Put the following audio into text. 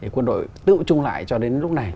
quân đội tự trung lại cho đến lúc này